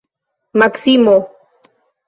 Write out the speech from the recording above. Maksimo!